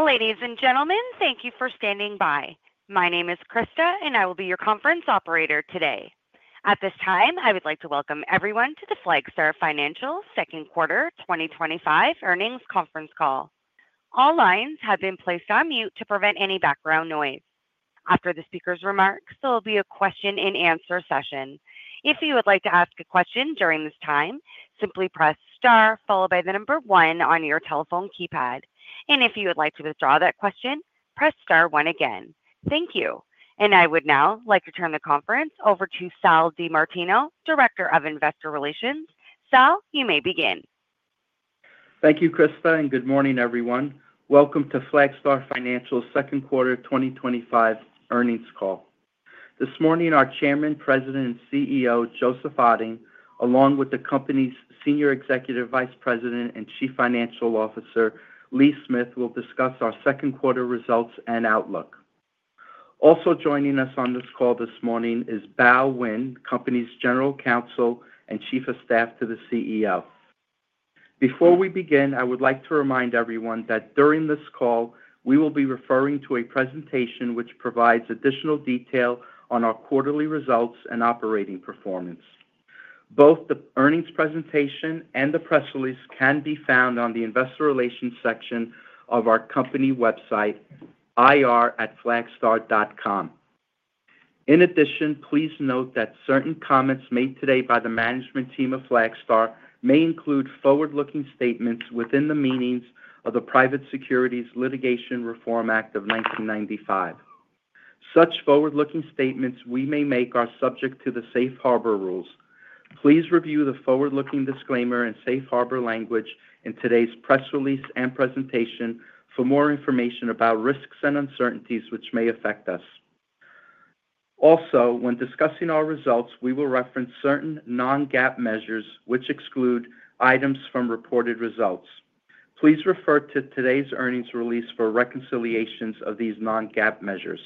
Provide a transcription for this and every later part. Ladies and gentlemen, thank you for standing by. My name is Krista, and I will be your conference operator today. At this time, I would like to welcome everyone to the Flagstar Financial Second Quarter twenty twenty five Earnings Conference Call. All lines have been placed on mute to prevent any background noise. After the speakers' remarks, there will be a question and answer session. Thank you. And I would now like to turn the conference over to Sal DiMartino, Director of Investor Relations. Sal, you may begin. Thank you, Krista, and good morning, everyone. Welcome to Flagstar Financial's second quarter twenty twenty five earnings call. This morning, our Chairman, President and CEO, Joseph Otting along with the company's Senior Executive Vice President and Chief Financial Officer, Lee Smith, will discuss our second quarter results and outlook. Also joining us on this call this morning is Bao Nguyen, company's General Counsel and Chief of Staff to the CEO. Before we begin, I would like to remind everyone that during this call, we will be referring to a presentation which provides additional detail on our quarterly results and operating performance. Both the earnings presentation and the press release can be found on the Investor Relations section of our company website, irflagstar.com. In addition, please note that certain comments made today by the management team of Flagstar may include forward looking statements within the meanings of the Private Securities Litigation Reform Act of 1995. Such forward looking statements we may make are subject to the Safe Harbor rules. Please review the forward looking disclaimer and Safe Harbor language in today's press release and presentation for more information about risks and uncertainties, which may affect us. Also, when discussing our results, we will reference certain non GAAP measures, which exclude items from reported results. Please refer to today's earnings release for reconciliations of these non GAAP measures.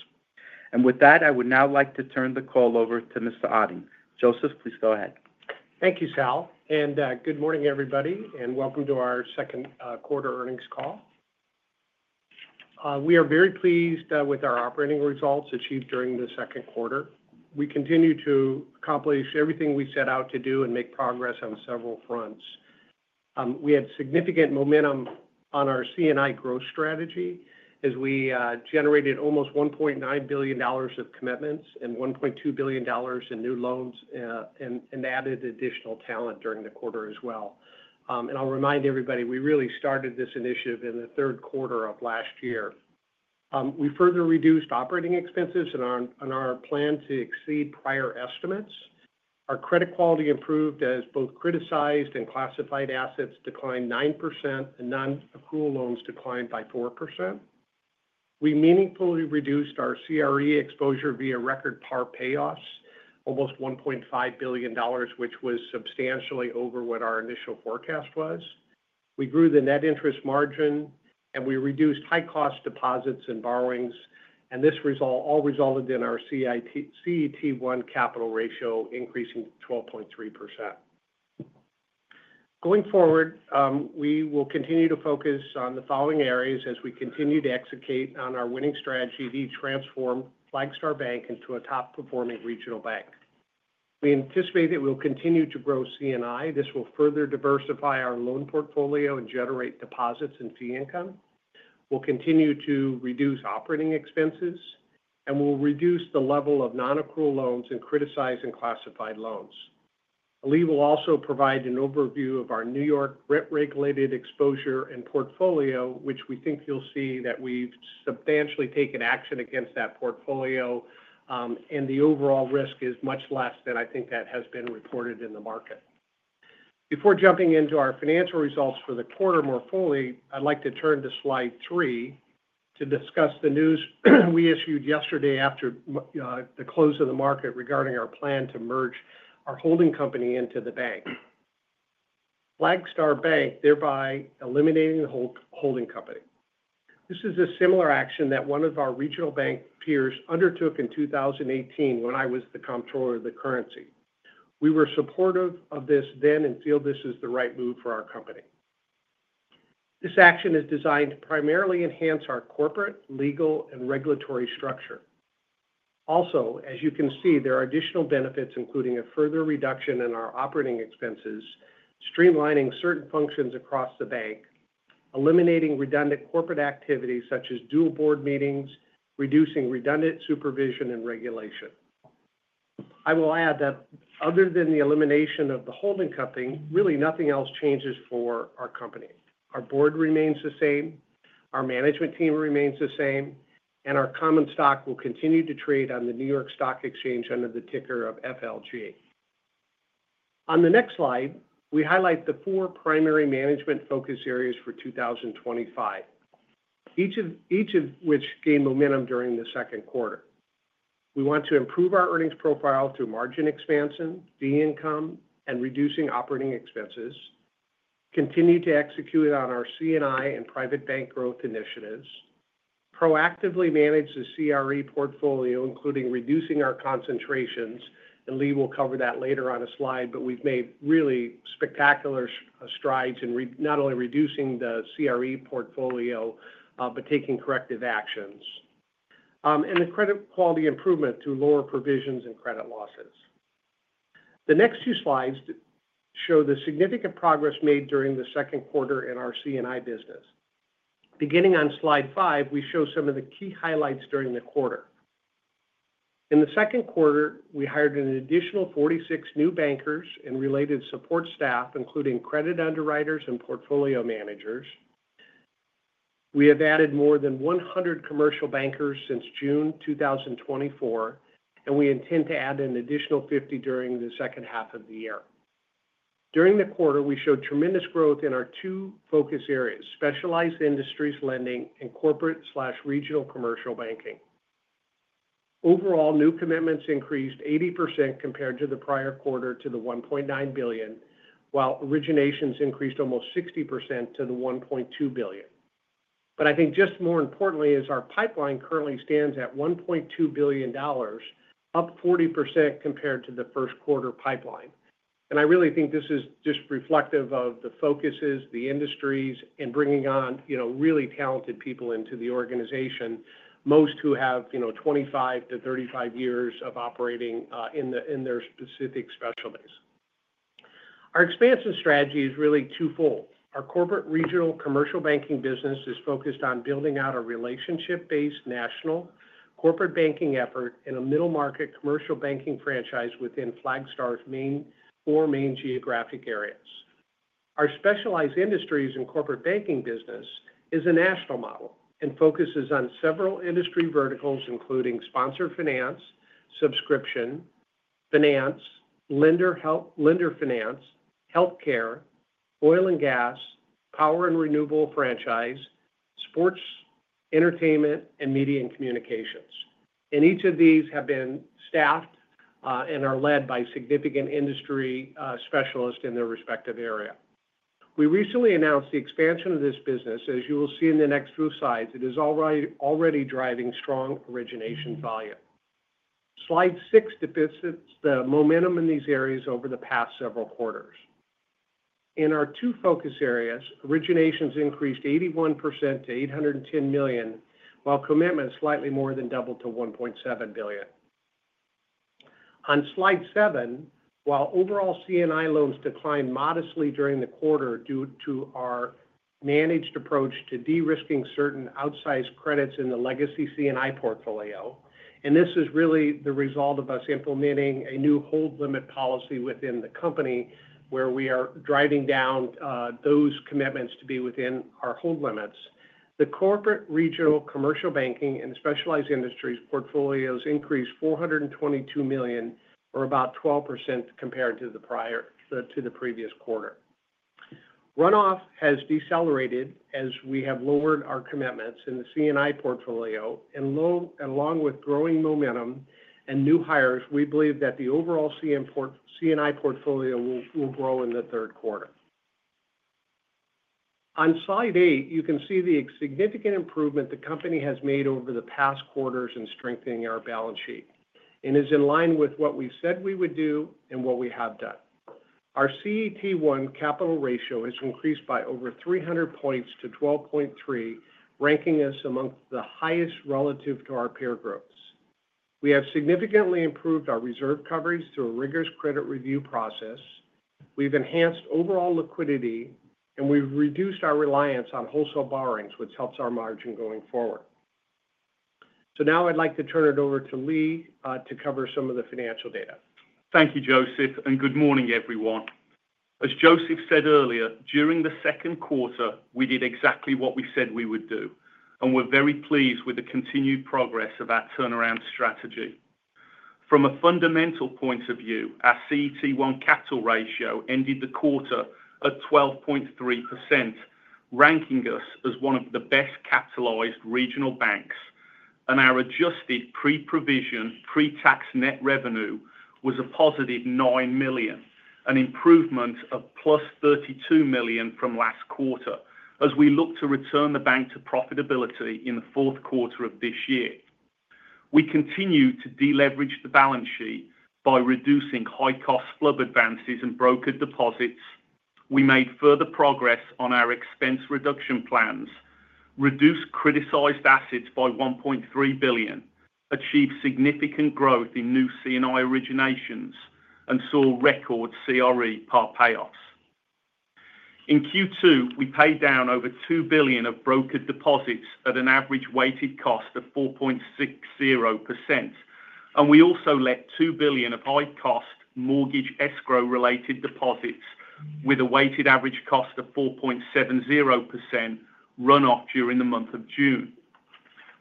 And with that, I would now like to turn the call over to Mr. Adi. Joseph, please go ahead. Thank you, Sal, and good morning, everybody, and welcome to our second quarter earnings call. We are very pleased with our operating results achieved during the second quarter. We continue to accomplish everything we set out to do and make progress on several fronts. We had significant momentum on our C and I growth strategy as we, generated almost 1,900,000,000 of commitments and $1,200,000,000 in new loans, and and added additional talent during the quarter as well. And I'll remind everybody, we really started this initiative in the third quarter of last year. We further reduced operating expenses in our plan to exceed prior estimates. Our credit quality improved as both criticized and classified assets declined 9% and non accrual loans declined by 4%. We meaningfully reduced our CRE exposure via record par payoffs, almost $1,500,000,000 which was substantially over what our initial forecast was. We grew the net interest margin and we reduced high cost deposits and borrowings and this result all resulted in our CET1 capital ratio increasing 12.3%. Going forward, we will continue to focus on the following areas as we continue to execute on our winning strategy to transform Flagstar Bank into a top performing regional bank. We anticipate that we'll continue to grow C and I. This will further diversify our loan portfolio and generate deposits and fee income. We'll continue to reduce operating expenses and we'll reduce the level of nonaccrual loans and criticizing classified loans. Lee will also provide an overview of our New York rent regulated exposure and portfolio, which we think you'll see that we've substantially taken action against that portfolio, and the overall risk is much less than I think that has been reported in Before jumping into our financial results for the quarter more fully, I'd like to turn to Slide three to discuss the news we issued yesterday after the close of the market regarding our plan to merge our holding company into the bank. Flagstar Bank thereby eliminating the hold holding company. This is a similar action that one of our regional bank peers undertook in 2018 when I was the comptroller of the currency. We were supportive of this then and feel this is the right move for our company. This action is designed to primarily enhance our corporate, legal and regulatory structure. Also, as you can see, there are additional benefits including a further reduction in our operating expenses, streamlining certain functions across the bank, eliminating redundant corporate activities such as dual board meetings, reducing redundant supervision and regulation. I will add that other than the elimination of the holding company, really nothing else changes for our company. Our board remains the same. Our management team remains the same. And our common stock will continue to trade on the New York Stock Exchange under the ticker of FLG. On the next slide, we highlight the four primary management focus areas for 2025, each of which gained momentum during the second quarter. We want to improve our earnings profile through margin expansion, fee income and reducing operating expenses continue to execute on our C and I and private bank growth initiatives proactively manage the CRE portfolio, including reducing our concentrations, and Lee will cover that later on the slide, but we've made really spectacular strides in not only reducing the CRE portfolio, but taking corrective actions, And the credit quality improvement to lower provisions and credit losses. The next few slides show the significant progress made during the second quarter in our C and I business. Beginning on Slide five, we show some of the key highlights during the quarter. In the second quarter, we hired an additional 46 new bankers and related support staff, including credit underwriters and portfolio managers. We have added more than 100 commercial bankers since June 2024, and we intend to add an additional 50 during the second half of the year. During the quarter, we showed tremendous growth in our two focus areas, specialized industries lending and corporateregional commercial banking. Overall, new commitments increased 80% compared to the prior quarter to the $1,900,000,000 while originations increased almost 60% to the 1,200,000,000.0 But I think just more importantly is our pipeline currently stands at $1,200,000,000, up 40% compared to the first quarter pipeline. And I really think this is just reflective of the focuses, the industries, and bringing on, you know, really talented people into the organization, most who have, you know, twenty five to thirty five years of operating, in the in their specific specialties. Our expansion strategy is really twofold. Our corporate regional commercial banking business is focused on building out a relationship based national corporate banking effort in a middle market commercial banking franchise within Flagstar's main four main geographic areas. Our specialized industries and corporate banking business is a national model and focuses on several industry verticals including sponsor finance, subscription, finance, lender finance, healthcare, oil and gas, power and renewable franchise, sports entertainment, and media and communications. And each of these have been staffed, and are led by significant industry, specialists in their respective area. We recently announced the expansion of this business. As you will see in the next few slides, it is already driving strong origination volume. Slide six depicts the momentum in these areas over the past several quarters. In our two focus areas, originations increased 81% to $810,000,000 while commitments slightly more than doubled to $1,700,000,000 On Slide seven, while overall C and I loans declined modestly during the quarter due to our managed approach to derisking certain outsized credits in the legacy C and I portfolio, and this is really the result of us implementing a new hold limit policy within the company where we are driving down, those commitments to be within our hold limits. The corporate, regional, commercial banking, and specialized industries portfolios increased $422,000,000 or about 12% compared to the prior to the previous quarter. Runoff has decelerated as we have lowered our commitments in the C and I portfolio. And along with growing momentum and new hires, we believe that the overall C and I portfolio will grow in the third quarter. On Slide eight, you can see the significant improvement the company has made over the past quarters in strengthening our balance sheet and is in line with what we said we would do and what we have done. Our CET1 capital ratio has increased by over 300 points to 12.3, ranking us among the highest relative to our peer groups. We have significantly improved our reserve coverage through a rigorous credit review process. We've enhanced overall liquidity and we've reduced our reliance on wholesale borrowings, which helps our margin going forward. So now I'd like to turn it over to Lee to cover some of the financial data. Thank you, Joseph, and good morning, everyone. As Joseph said earlier, during the second quarter, we did exactly what we said we would do, and we're very pleased with the continued progress of our turnaround strategy. From a fundamental point of view, our CET1 capital ratio ended the quarter at 12.3%, ranking us as one of the best capitalized regional banks and our adjusted pre provision, pretax net revenue was a positive $9,000,000 an improvement of plus $32,000,000 from last quarter as we look to return the bank to profitability in the fourth quarter of this year. We continue to deleverage the balance sheet by reducing high cost FLUB advances and brokered deposits. We made further progress on our expense reduction plans, reduced criticized assets by $1,300,000,000 achieved significant growth in new C and I originations and saw record CRE part payoffs. In Q2, we paid down over €2,000,000,000 of brokered deposits at an average weighted cost of 4.6%, and we also let €2,000,000,000 of high cost mortgage escrow related deposits with a weighted average cost of 4.7% runoff during the month of June.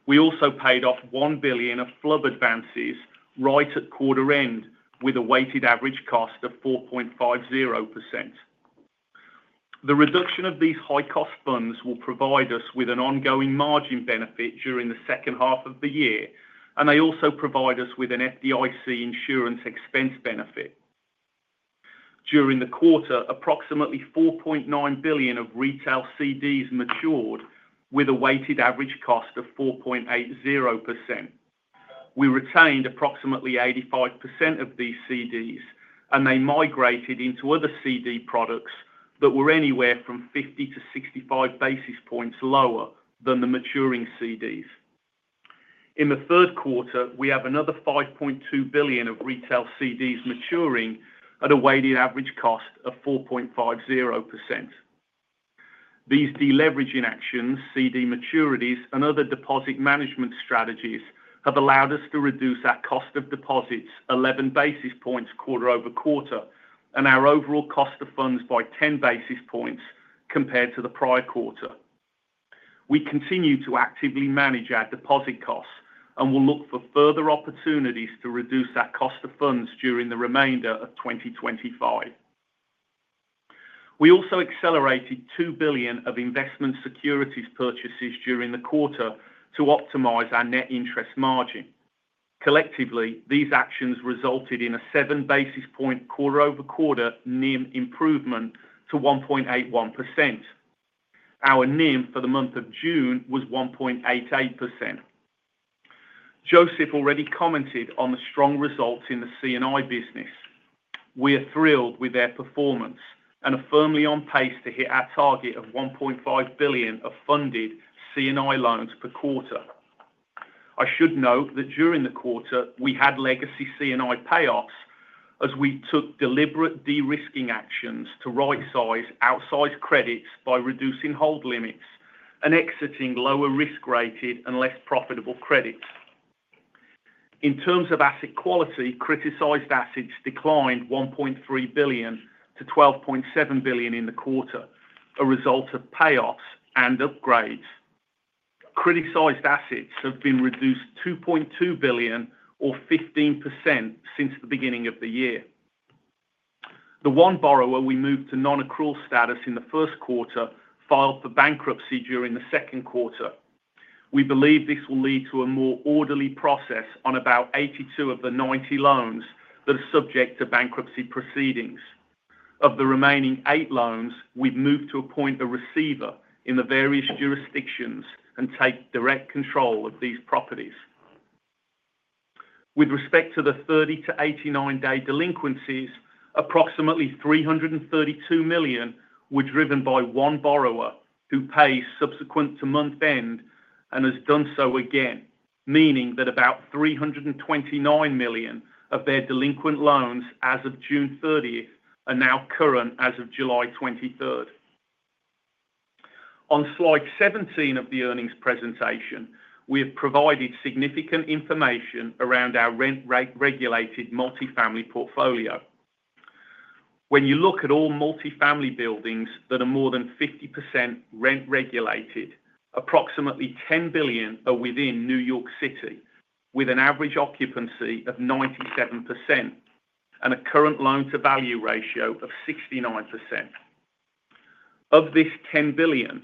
We also paid off €1,000,000,000 of FLUB advances right at quarter end with a weighted average cost of 4.5%. The reduction of these high cost funds will provide us with an ongoing margin benefit during the second half of the year, and they also provide us with an FDIC insurance expense benefit. During the quarter, approximately €4,900,000,000 of retail CDs matured with a weighted average cost of 4.8%. We retained approximately 85% of these CDs, and they migrated into other CD products that were anywhere from 50 to 65 basis points lower than the maturing CDs. In the third quarter, we have another €5,200,000,000 of retail CDs maturing at a weighted average cost of 4.5%. These deleveraging actions, CD maturities and other deposit management strategies have allowed us to reduce our cost of deposits 11 basis points quarter over quarter and our overall cost of funds by 10 basis points compared to the prior quarter. We continue to actively manage our deposit costs and will look for further opportunities to reduce our cost of funds during the remainder of 2025. We also accelerated €2,000,000,000 of investment securities purchases during the quarter to optimize our net interest margin. Collectively, these actions resulted in a seven basis point quarter over quarter NIM improvement to 1.81%. Our NIM for the month of June was 1.88. Joseph already commented on the strong results in the C and I business. We are thrilled with their performance and are firmly on pace to hit our target of €1,500,000,000 of funded C and I loans per quarter. I should note that during the quarter, we had legacy C and I payoffs as we took deliberate derisking actions to rightsize outsized credits by reducing hold limits and exiting lower risk rated and less profitable credits. In terms of asset quality, criticized assets declined €1,300,000,000 to €12,700,000,000 in the quarter, a result of payoffs and upgrades. Criticized assets have been reduced 2,200,000,000.0 or 15% since the beginning of the year. The one borrower we moved to non accrual status in the first quarter filed for bankruptcy during the second quarter. We believe this will lead to a more orderly process on about 82 of the 90 loans that are subject to bankruptcy proceedings. Of the remaining eight loans, we've moved to appoint a receiver in the various jurisdictions and take direct control of these properties. With respect to the thirty to eighty nine day delinquencies, approximately $332,000,000 were driven by one borrower who pays subsequent to month end and has done so again, meaning that about $329,000,000 of their delinquent loans as of June 30 are now current as of July 23. On Slide 17 of the earnings presentation, we have provided significant information around our rent rate regulated multifamily portfolio. When you look at all multifamily buildings that are more than 50% rent regulated, approximately $10,000,000,000 are within New York City, with an average occupancy of 97% and a current loan to value ratio of 69%. Of this €10,000,000,000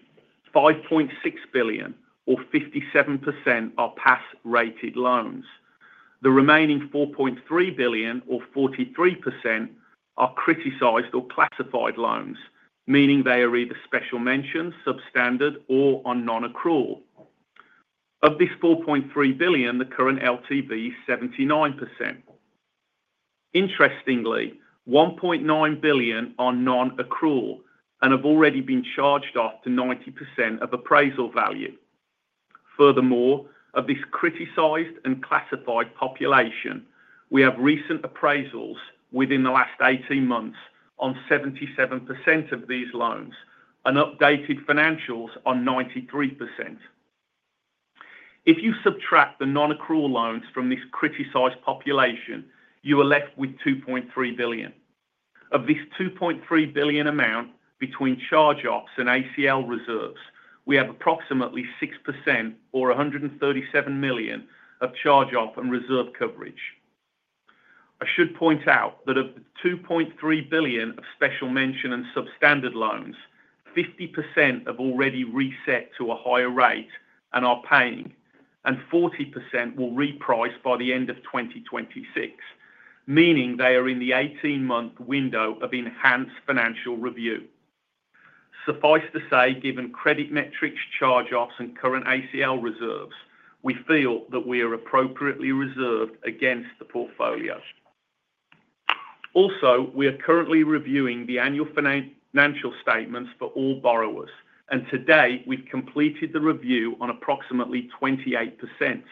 €5,600,000,000 or 57% are pass rated loans. The remaining €4,300,000,000 or 43% are criticized or classified loans, meaning they are either special mention, substandard or on non accrual. Of this €4,300,000,000 the current LTV is 79%. Interestingly, dollars 1,900,000,000.0 are non accrual and have already been charged off to 90% of appraisal value. Furthermore, of this criticized and classified population, we have recent appraisals within the last eighteen months on 77% of these loans and updated financials on 93%. If you subtract the non accrual loans from this criticized population, you are left with $2,300,000,000 Of this $2,300,000,000 amount between charge offs and ACL reserves, we have approximately 6% or $137,000,000 of charge off and reserve coverage. I should point out that of the $2,300,000,000 of special mention and substandard loans, 50% have already reset to a higher rate and are paying, and 40% will reprice by the end of twenty twenty six, meaning they are in the eighteen month window of enhanced financial review. Suffice to say, given credit metrics charge offs and current ACL reserves, we feel that we are appropriately reserved against the portfolio. Also, we are currently reviewing the annual financial statements for all borrowers, and to date, we've completed the review on approximately 28%.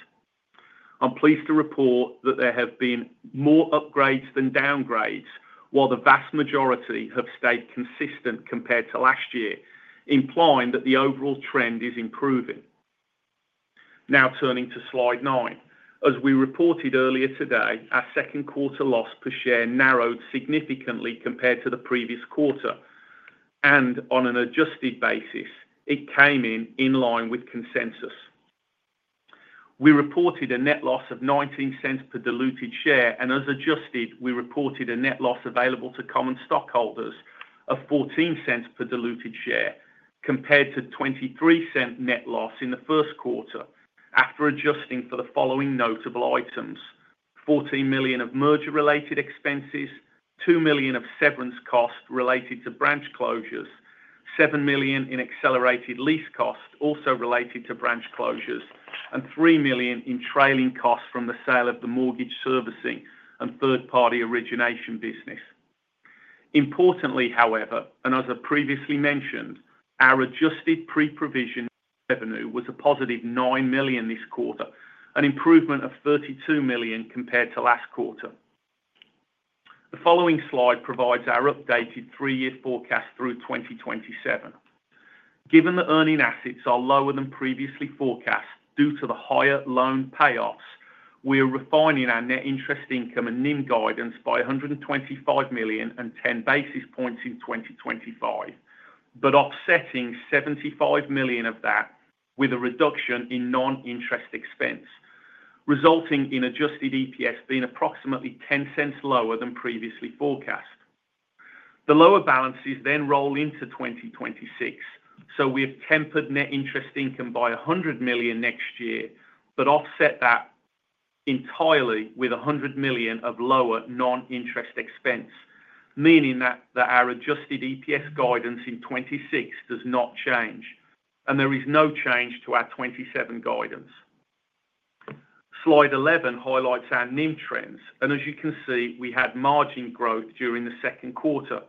I'm pleased to report that there have been more upgrades than downgrades, while the vast majority have stayed consistent compared to last year, implying that the overall trend is improving. Now turning to Slide nine. As we reported earlier today, our second quarter loss per share narrowed significantly compared to the previous quarter, and on an adjusted basis, it came in, in line with consensus. We reported a net loss of $0.19 per diluted share and as adjusted, we reported a net loss available to common stockholders of $0.14 per diluted share compared to $0.23 net loss in the first quarter after adjusting for the following notable items: $14,000,000 of merger related expenses $2,000,000 of severance costs related to branch closures $7,000,000 in accelerated lease costs also related to branch closures and $3,000,000 in trailing costs from the sale of the mortgage servicing and third party origination business. Importantly, however, and as I previously mentioned, our adjusted pre provision revenue was a positive $9,000,000 this quarter, an improvement of $32,000,000 compared to last quarter. The following slide provides our updated three year forecast through 2027. Given the earning assets are lower than previously forecast due to the higher loan payoffs, we are refining our net interest income and NIM guidance by $125,000,000 and 10 basis points in 2025, but offsetting $75,000,000 of that with a reduction in non interest expense, resulting in adjusted EPS being approximately $0.10 lower than previously forecast. The lower balances then roll into 2026, so we have tempered net interest income by $100,000,000 next year, but offset that entirely with $100,000,000 of lower non interest expense, meaning that our adjusted EPS guidance in 'twenty six does not change, and there is no change to our 'twenty seven guidance. Slide 11 highlights our NIM trends, And as you can see, we had margin growth during the second quarter,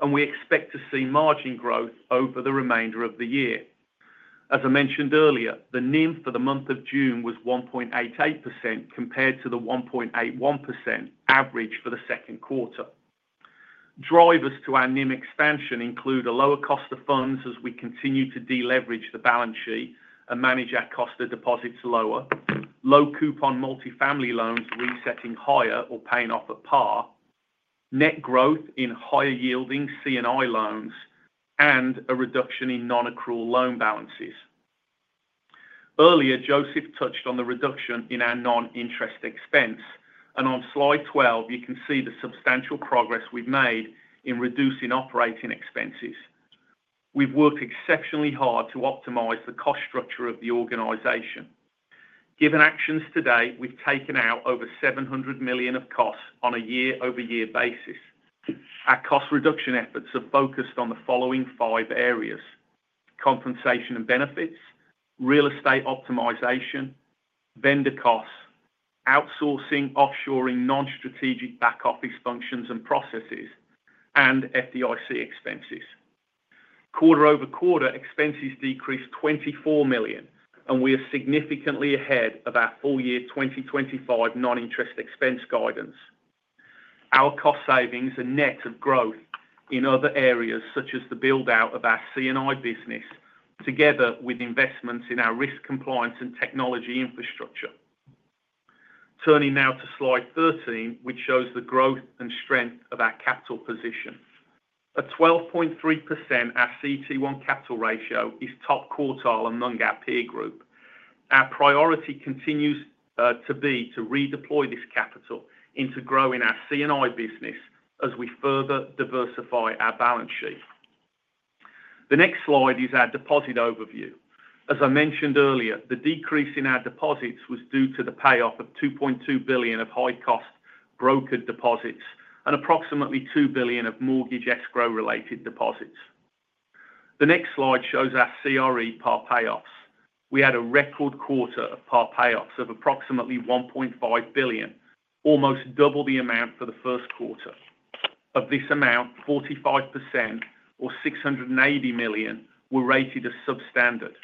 and we expect to see margin growth over the remainder of the year. As I mentioned earlier, the NIM for the month of June was 1.88% compared to the 1.81% average for the second quarter. Drivers to our NIM expansion include a lower cost of funds as we continue to deleverage the balance sheet and manage lower, low coupon multifamily loans resetting higher or paying off at par, net growth in higher yielding C and I loans and a reduction in non accrual loan balances. Earlier, Joseph touched on the reduction in our non interest expense. And on Slide 12, you can see the substantial progress we've made in reducing operating expenses. We've worked exceptionally hard to optimize the cost structure of the organization. Given actions to date, we've taken out over £700,000,000 of costs on a year over year basis. Our cost reduction efforts are focused on the following five areas: compensation and benefits, real estate optimization, vendor costs, outsourcing, offshoring, non strategic back office functions and processes, and FDIC expenses. Quarter over quarter, expenses decreased $24,000,000 and we are significantly ahead of our full year 2025 non interest expense guidance. Our cost savings are net of growth in other areas such as the build out of our C and I business, together with investments in our risk compliance and technology infrastructure. Turning now to Slide 13, which shows the growth and strength of our capital position. At 12.3%, our CET1 capital ratio is top quartile among our peer group. Our priority continues to be to redeploy this capital into growing our C and I business as we further diversify our balance sheet. The next slide is our deposit overview. As I mentioned earlier, the decrease in our deposits was due to the payoff of $2,200,000,000 of high cost brokered deposits and approximately $2,000,000,000 of mortgage escrow related deposits. The next slide shows our CRE par payoffs. We had a record quarter of par payoffs of approximately 1,500,000,000.0 almost double the amount for the first quarter. Of this amount, 45 percent or $680,000,000 were rated as substandard.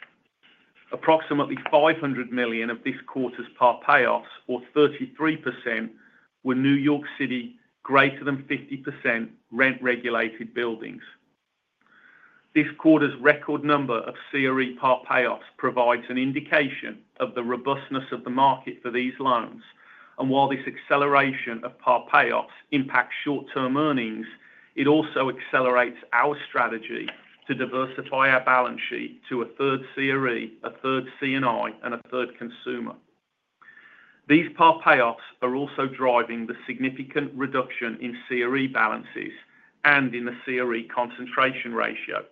Approximately $500,000,000 of this quarter's part payoffs or 33% were New York City greater than 50% rent regulated buildings. This quarter's record number of CRE part payoffs provides an indication of the robustness of the market for these loans, And while this acceleration of par payoffs impacts short term earnings, it also accelerates our strategy to diversify our balance sheet to a third CRE, a third C and I and a third consumer. These part payoffs are also driving the significant reduction in CRE balances and in the CRE concentration ratio.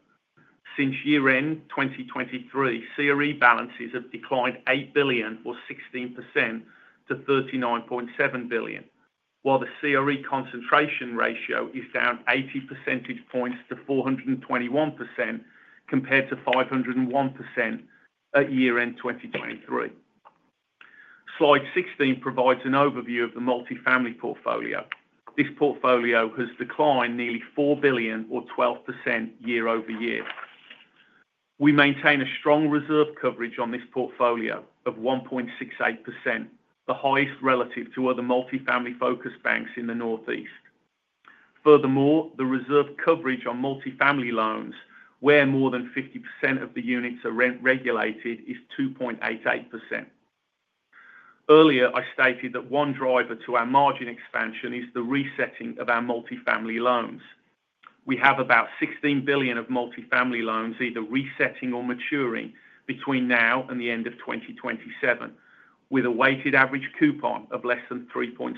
Since year end 2023, CRE balances have declined $8,000,000,000 or 16% to $39,700,000,000 while the CRE concentration ratio is down 80 percentage points to 421% compared to five zero one percent at year end 2023. Slide 16 provides an overview of the multifamily portfolio. This portfolio has declined nearly $4,000,000,000 or 12% year over year. We maintain a strong reserve coverage on this portfolio of 1.68%, the highest relative to other multifamily focused banks in the Northeast. Furthermore, the reserve coverage on multifamily loans, where more than 50% of the units are rent regulated, is 2.88%. Earlier, I stated that one driver to our margin expansion is the resetting of our multifamily loans. We have about $16,000,000,000 of multifamily loans either resetting or maturing between now and the end of twenty twenty seven, with a weighted average coupon of less than 3.7%.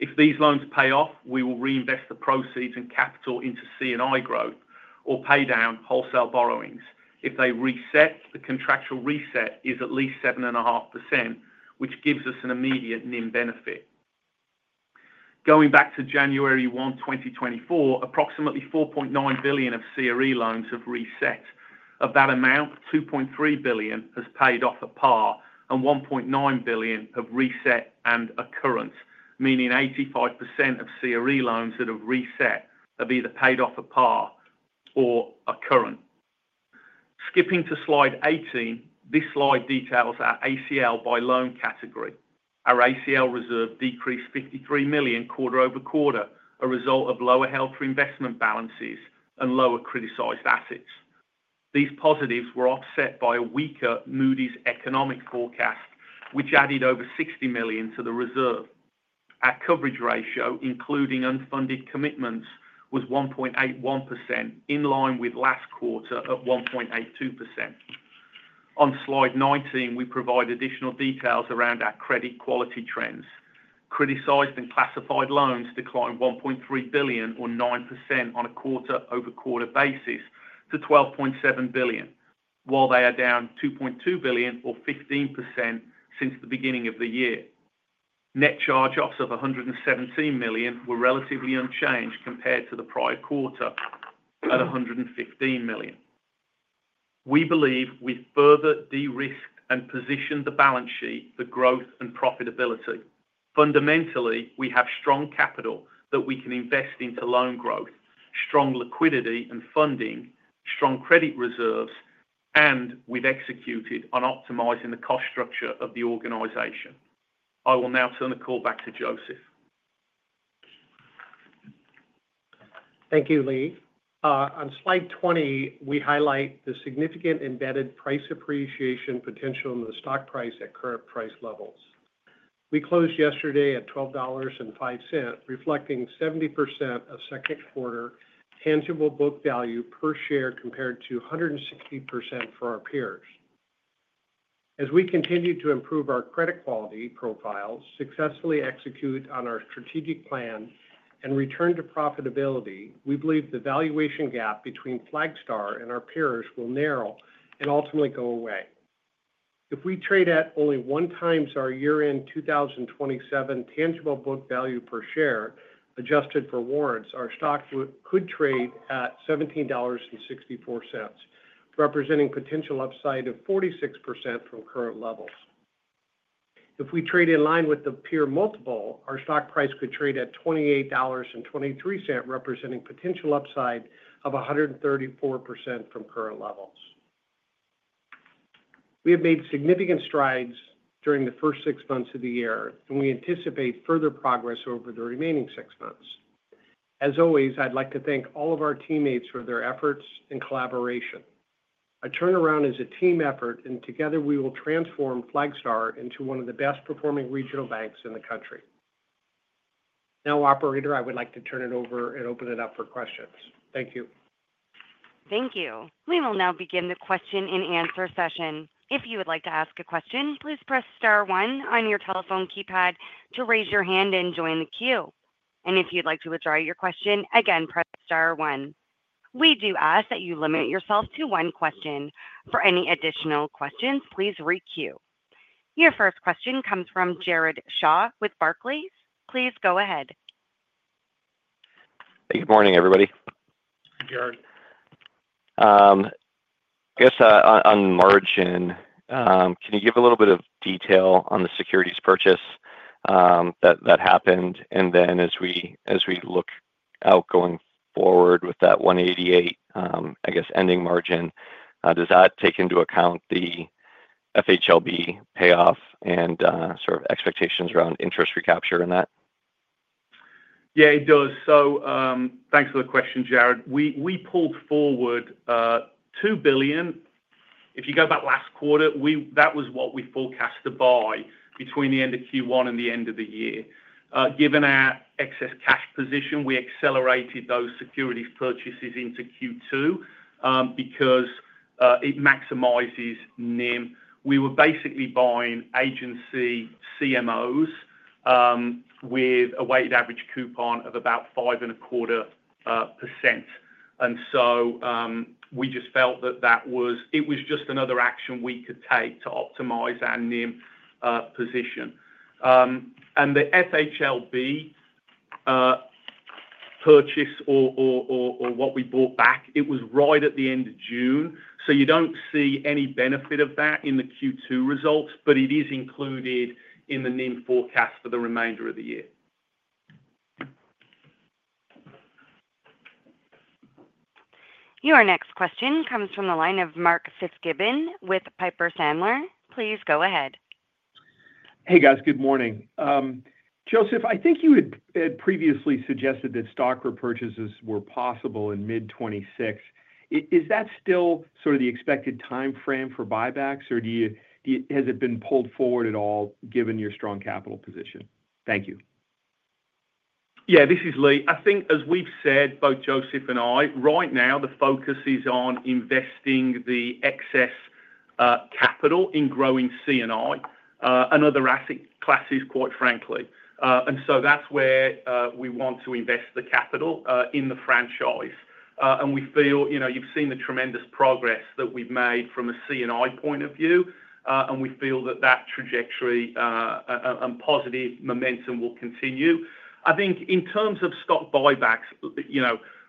If these loans pay off, we will reinvest the proceeds and capital into C and I growth or pay down wholesale borrowings. If they reset, the contractual reset is at least 7.5%, which gives us an immediate NIM benefit. Going back to 01/01/2024, approximately $4,900,000,000 of CRE loans have reset. Of that amount, dollars 2,300,000,000.0, has paid off at par and $1,900,000,000 of reset and occurrence, meaning 85% of CRE loans that have reset have either paid off at par or are current. Skipping to slide 18, this slide details our ACL by loan category. Our ACL reserve decreased $53,000,000 quarter over quarter, a result of lower held for investment balances and lower criticized assets. These positives were offset by a weaker Moody's economic forecast, which added over €60,000,000 to the reserve. Our coverage ratio, including unfunded commitments, was 1.81%, in line with last quarter of 1.82%. On Slide 19, we provide additional details around our credit quality trends. Criticized and classified loans declined $1,300,000,000 or 9% on a quarter over quarter basis to $12,700,000,000 while they are down $2,200,000,000 or 15% since the beginning of the year. Net charge offs of $117,000,000 were relatively unchanged compared to the prior quarter at 115,000,000 We believe we further derisked and positioned the balance sheet for growth and profitability. Fundamentally, we have strong capital that we can invest into loan growth, strong liquidity and funding, strong credit reserves, and we've executed on optimizing the cost structure of the organization. I will now turn the call back to Joseph. Thank you, Lee. On slide 20, we highlight the significant embedded price appreciation potential in the stock price at current price levels. We closed yesterday at $12.5 reflecting 70% of second quarter tangible book value per share compared to 160% for our peers. As we continue to improve our credit quality profiles, successfully execute on our strategic plan and return to profitability, we believe the valuation gap between Flagstar and our peers will narrow and ultimately go away. If we trade at only one times our year end 2027 tangible book value per share adjusted for warrants, our stock could trade at $17.64 representing potential upside of 46% from current levels. If we trade in line with the peer multiple, our stock price could trade at $28.23 representing potential upside of 134 percent from current levels. We have made significant strides during the first six months of the year, and we anticipate further progress over the remaining six months. As always, I'd like to thank all of our teammates for their efforts and collaboration. A turnaround is a team effort, and together, we will transform Flagstar into one of the best performing regional banks in the country. Now operator, I would like to turn it over and open it up for questions. Thank you. Thank you. We will now begin the question and answer First question comes from Jared Shaw with Barclays. Please go ahead. Hey, good morning everybody. Hi, Jared. Guess on margin, can you give a little bit of detail on the securities purchase that happened? And then as we look out going forward with that 188,000,000 I guess ending margin, does that take into account the FHLB payoff and sort of expectations around interest recapture in that? Yes, it does. So thanks for the question, Jared. We pulled forward $2,000,000,000 If you go back last quarter, that was what we forecast to buy between the end of Q1 and the end of the year. Given our excess cash position, we accelerated those securities purchases into Q2 because it maximizes NIM. We were basically buying agency CMOs with a weighted average coupon of about 5.25%. And so we just felt that that was it was just another action we could take to optimize our NIM position. And the FHLB purchase or what we bought back, it was right at the June. So you don't see any benefit of that in the Q2 results, but it is included in the NIM forecast for the remainder of the year. Your next question comes from the line of Mark Fitzgibbon with Piper Sandler. Please go ahead. Hey guys, good morning. Joseph, I think you had previously suggested that stock repurchases were possible in mid-twenty twenty six. Is that still sort of the expected timeframe for buybacks? Or do you has it been pulled forward at all given your strong capital position? Thank you. Yes. This is Lee. I think as we've said both Joseph and I, right now the focus is on investing the excess capital in growing C and I and other asset classes quite frankly. And so that's where we want to invest the capital in the franchise. And we feel you've seen the tremendous progress that we've made from a C and I point of view, and we feel that, that trajectory and positive momentum will continue. I think in terms of stock buybacks,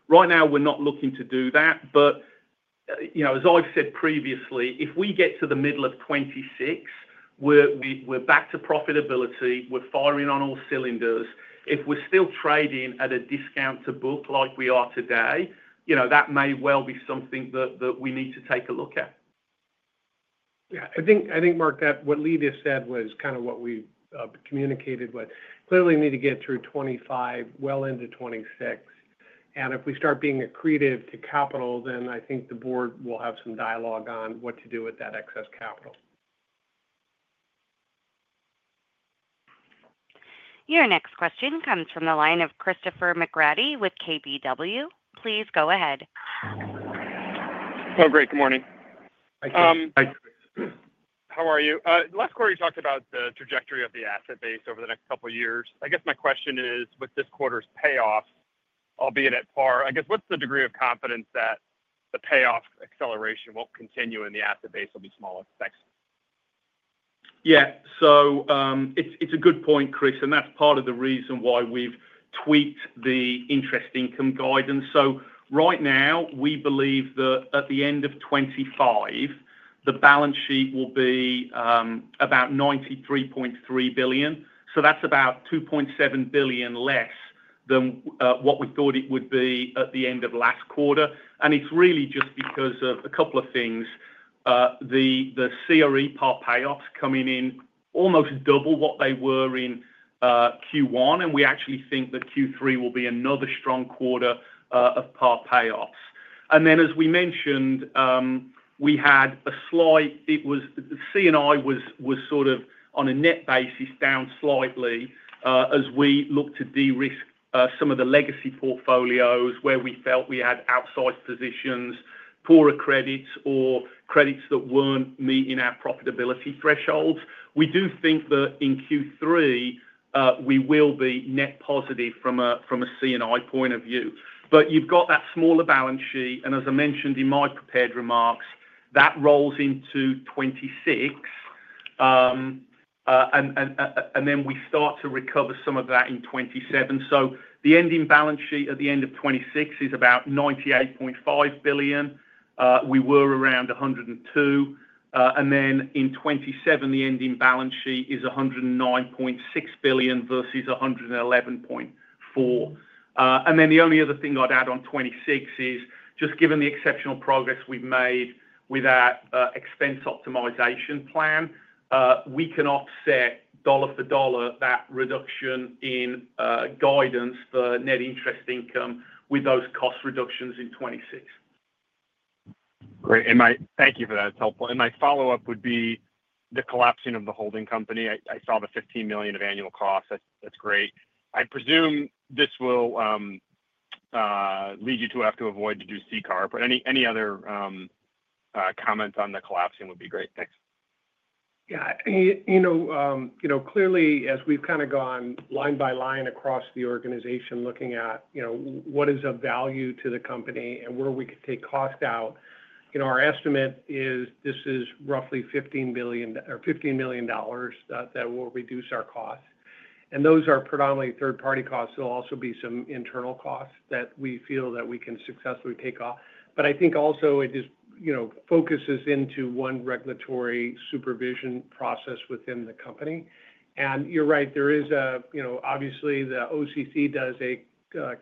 right now, we're not looking to do that. But as I've said previously, if we get to the middle of twenty six, we're back to profitability, we're firing on all cylinders. If we're still trading at a discount to book like we are today, that may well be something that we need to take a look at. Yeah. I think I think, Mark, that what Lee just said was kind of what we've communicated with. Clearly, we need to get through '25 well into '26. And if we start being accretive to capital, then I think the board will have some dialogue on what to do with that excess capital. Your next question comes from the line of Christopher McGratty with KBW. Please go ahead. Great. Good morning. How are you? Last quarter, you talked about the trajectory of the asset base over the next couple of years. I guess my question is, with this quarter's payoff, albeit at par, I guess, what's the degree of confidence that the payoff acceleration won't continue and the asset base will be smaller? Thanks. Yes. So it's a good point, Chris, and that's part of the reason why we've tweaked the interest income guidance. So right now, we believe that at the end of 'twenty five, the balance sheet will be about $93,300,000,000 So that's about $2,700,000,000 less than what we thought it would be at the end of last quarter. And it's really just because of a couple of things. The CRE part payoffs coming in almost double what they were in Q1 and we actually think that Q3 will be another strong quarter of part payoffs. And then as we mentioned, we had a slight it was C and I was sort of on a net basis down slightly as we look to derisk some of the legacy portfolios where we felt we had outsized positions, poorer credits or credits that weren't meeting our profitability thresholds. We do think that in Q3, we will be net positive from a C and I point of view. But you've got that smaller balance sheet. And as I mentioned in my prepared remarks, that rolls into 'twenty six and then we start to recover some of that in 'twenty seven. So the ending balance sheet at the end of 'twenty six is about $98,500,000,000 We were around 102,000,000,000 And then in 'twenty seven, the ending balance sheet is $109,600,000,000 versus 111.4 And then the only other thing I'd add on '26 is just given the exceptional progress we've made with that expense optimization plan, we can offset dollar for dollar that reduction in guidance for net interest income with those cost reductions in 2026. Great. And my thank you for that. It's helpful. And my follow-up would be the collapsing of the holding company. I saw the $15,000,000 of annual costs. That's great. I presume this will, lead you to have to avoid to do CCAR, but any any other, comments on the collapsing would be great. Thanks. Yeah. You know, you know, clearly, as we've kinda gone line by line across the organization looking at, what is the value to the company and where we could take cost out, our estimate is this is roughly $15,000,000,000 that will reduce our costs. And those are predominantly third party costs. There'll also be some internal costs that we feel that we can successfully take off. But I think also it just, you know, focuses into one regulatory supervision process within the company. And you're right. There is a you know, obviously, the OCC does a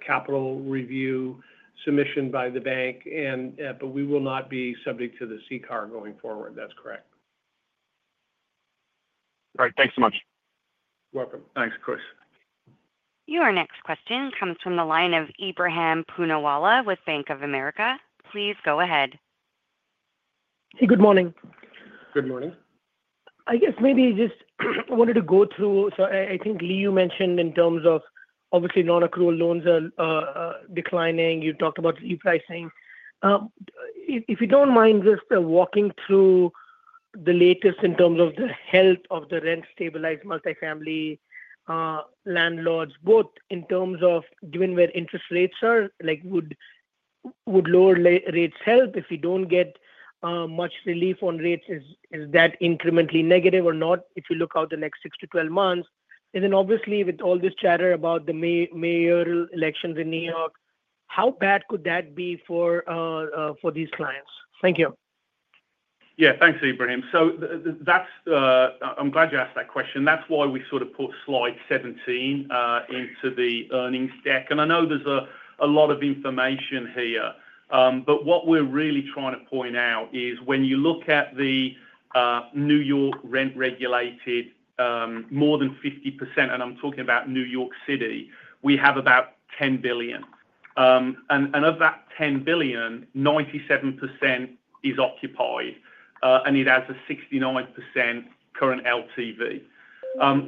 capital review submission by the bank and but we will not be subject to the CCAR going forward. That's correct. Right. Thanks so much. Welcome. Thanks, Chris. Your next question comes from the line of Ebrahim Poonawala with Bank of America. Please go ahead. Hey, good morning. Good morning. I guess maybe just wanted to go through so I think, Lee, you mentioned in terms of obviously, nonaccrual loans are declining. You talked about repricing. If if you don't mind just walking through the latest in terms of the health of the rent stabilized multifamily landlords both in terms of given where interest rates are, like, would would lower rates help if you don't get much relief on rates? Is is that incrementally negative or not if you look out the next six to twelve months? And then obviously, with all this chatter about the may mayoral elections in New York, how bad could that be for, for these clients? Thank you. Yeah. Thanks, Ibrahim. So that's I'm glad you asked that question. That's why we sort of put Slide 17 into the earnings deck. And I know there's a lot of information here. But what we're really trying to point out is when you look at the New York rent regulated more than 50%, and I'm talking about New York City, we have about $10,000,000,000 And of that $10,000,000,000 97% is occupied and it has a 69% current LTV.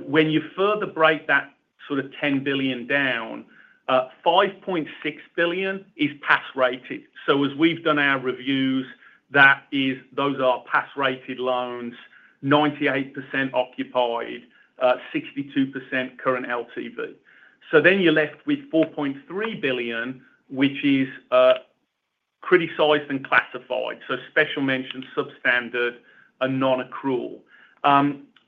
When you further break that sort of $10,000,000,000 down, dollars 5,600,000,000.0 is pass rated. So as we've done our reviews, that is those are pass rated loans, 98% occupied, 62% current LTV. So then you're left with $4,300,000,000 which is criticized and classified, so special mention, substandard and non accrual.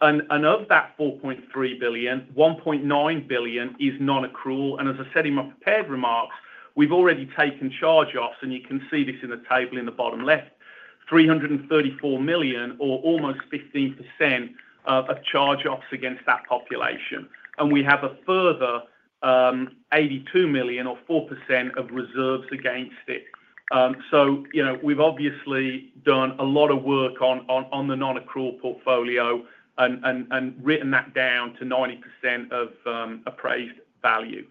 Of that $4,300,000,000 $1,900,000,000 is non accrual. And as I said in my prepared remarks, we've already taken charge offs and you can see this in the table in the bottom left, dollars $334,000,000 or almost 15% of charge offs against that population. And we have a further $82,000,000 or 4% of reserves against it. So we've obviously done a lot of work on the non accrual portfolio and written that down to 90% of appraised value.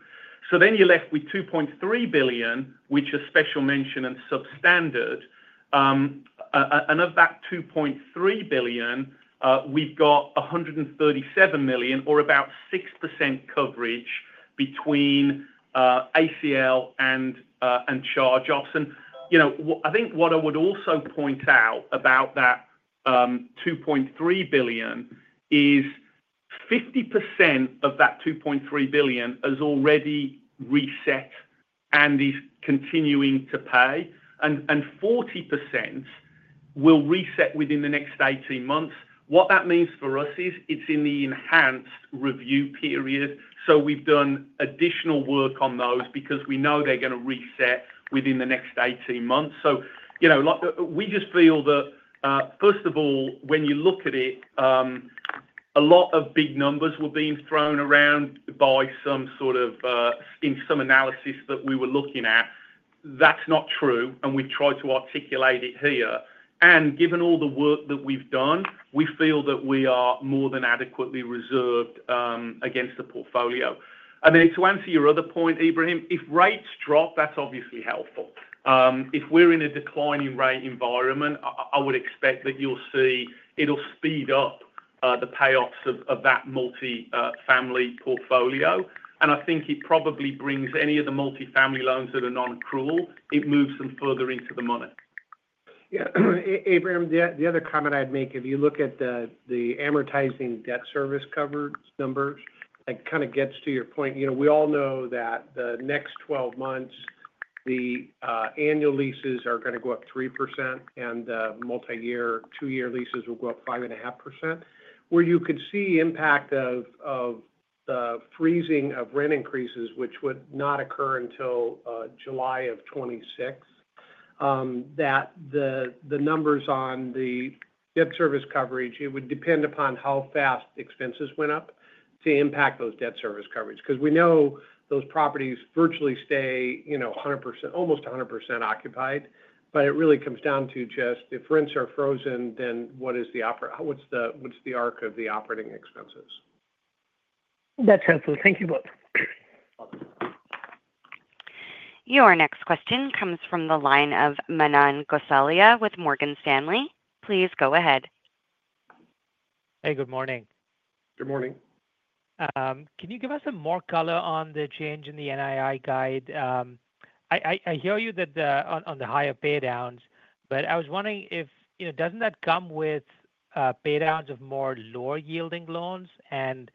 So then you're left with $2,300,000,000 which is special mention and substandard. And of that $2,300,000,000 we've got $137,000,000 or about 6% coverage between ACL and charge offs. Think what I would also point out about that $2,300,000,000 is 50% of that $2,300,000,000 has already reset and is continuing to pay, and 40% will reset within the next eighteen months. What that means for us is it's in the enhanced review period. So we've done additional work on those because we know they're going to reset within the next eighteen months. So we just feel that, first of all, when you look at it, a lot of big numbers were being thrown around by some sort of in some analysis that we were looking at. That's not true, and we've tried to articulate it here. And given all the work that we've done, we feel that we are more than adequately reserved against the portfolio. And then to answer your other point, Ebrahim, if rates drop, that's obviously helpful. If we're in a declining rate environment, I would expect that you'll see it'll speed up the payoffs of that multifamily portfolio. And I think it probably brings any of the multifamily loans that are non accrual, It moves them further into the money. Yeah. Abraham, the the other comment I'd make, if you look at the the amortizing debt service covered numbers, it kinda gets to your point. You know, we all know that the next twelve months, the annual leases are gonna go up 3% and the multi year two year leases will go up 5.5%. Where you could see impact of of the freezing of rent increases, would not occur until July, that the the numbers on the debt service coverage, it would depend upon how fast expenses went up to impact those debt service coverage. Because we know those properties virtually stay, you know, a 100% almost a 100% occupied, but it really comes down to just if rents are frozen, then what is the what's the what's the arc of the operating expenses? That's helpful. Thank you both. Your next question comes from the line of Manan Gosalia with Morgan Stanley. Please go ahead. Hey. Good morning. Good morning. Can you give us some more color on the change in the NII guide? I hear you that on the higher pay downs, but I was wondering if doesn't that come with pay downs of more lower yielding loans? And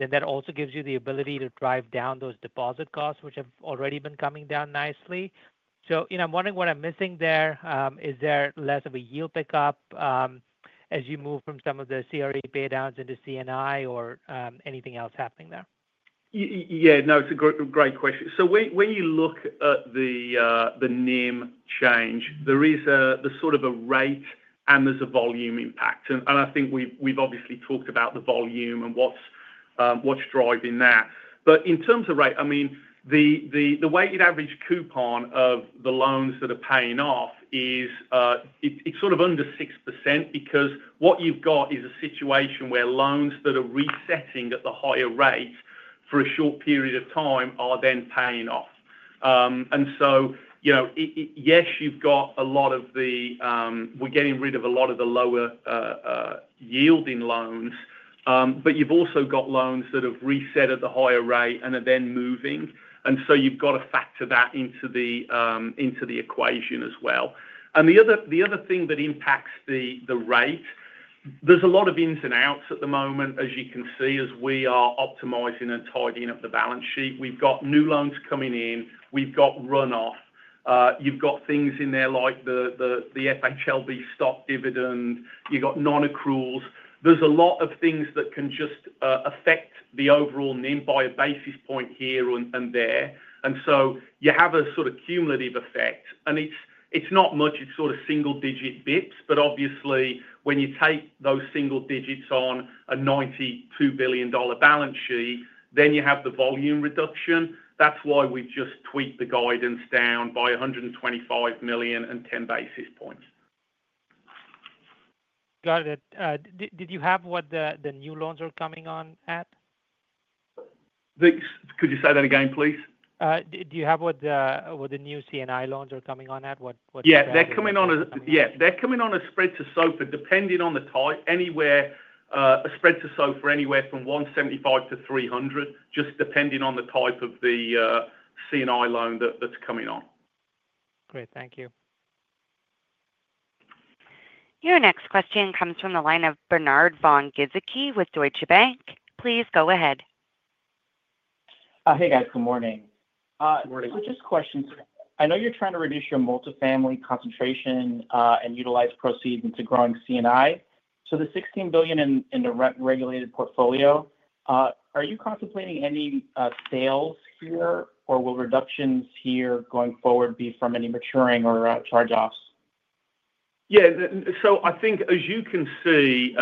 then that also gives you the ability to drive down those deposit costs, which have already been coming down nicely. So, you know, I'm wondering what I'm missing there. Is there less of a yield pickup as you move from some of the CRE pay downs into C and I or anything else happening there? Yes. No, it's a great question. So when you look at the NIM change, there is the sort of a rate and there's a volume impact. I think we've obviously talked about the volume and what's driving that. But in terms of rate, I mean, the weighted average coupon of the loans that are paying off is it's sort of under 6% because what you've got is a situation where loans that are resetting at the higher rates for a short period of time are then paying off. And so yes, you've got a lot of the we're getting rid of a lot of the lower yielding loans, but you've also got loans that have reset at the higher rate and are then moving. And so you've got to factor that into the equation as well. And the other thing that impacts the rate, there's a lot of ins and outs at the moment, as you can see, as we are optimizing and tidying up the balance sheet. We've got new loans coming in. We've got runoff. You've got things in there like the FHLB stock dividend. You've got non accruals. There's a lot of things that can just affect the overall NIM by a basis point here and there. And so you have a sort of cumulative effect. And it's not much, it's sort of single digit bps. But obviously, when you take those single digits on a $92,000,000,000 balance sheet, then you have the volume reduction. That's why we just tweaked the guidance down by $125,000,000 and 10 basis points. Got it. Did you have what the new loans are coming on at? Could you say that again, please? Do you have what the new C and I loans are coming on at? What's Yes. They're coming on a spread to SOFA depending on the type anywhere a spread to SOFA anywhere from 175,000,000 to 300,000,000 just depending on the type of the C and I loan that's coming on. Great. Thank you. Your next question comes from the line of Bernard von Giedzicke with Deutsche Bank. Please go ahead. Hey, guys. Good morning. Good morning. So just questions. I know you're trying to reduce your multifamily concentration, and utilize proceeds into growing C and I. So the 16,000,000,000 in in the rep regulated portfolio, are you contemplating any, sales here? Or will reductions here going forward be from any maturing or charge offs? Yes. So I think as you can see,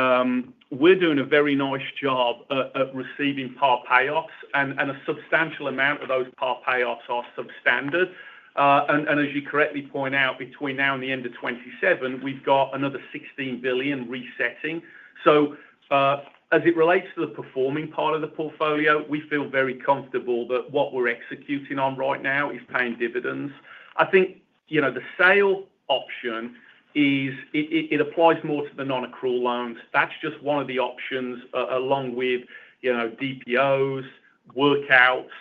we're doing a very nice job of receiving par payoffs, and a substantial amount of those par payoffs are substandard. And as you correctly point out, between now and the end of 'twenty seven, we've got another $16,000,000,000 resetting. So as it relates to the performing part of the portfolio, we feel very comfortable that what we're executing on right now is paying dividends. I think the sale option is it applies more to the non accrual loans. That's just one of the options along with DPOs, workouts.